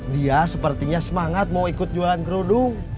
dia sepertinya semangat mau ikut jualan kerudung